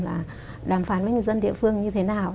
là đàm phán với người dân địa phương như thế nào